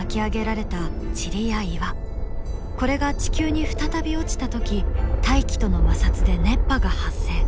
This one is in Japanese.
これが地球に再び落ちた時大気との摩擦で熱波が発生。